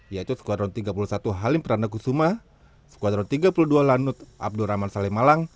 yaitu skuadron tiga puluh satu halim pranakusuma skuadron tiga puluh dua lanut abdurrahman saleh malang